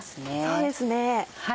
そうですね。